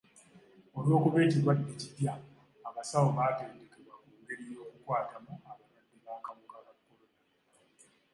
Olw'okuba ekirwadde kipya, abasawo baatendekebwa ku ngeri y'okukwatamu abalwadde b'akawuka ka kolona.